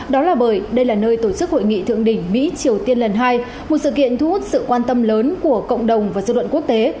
đó là bởi đây là nơi tổ chức hội nghị thượng đỉnh mỹ triều tiên lần hai một sự kiện thu hút sự quan tâm lớn của cộng đồng và dư luận quốc tế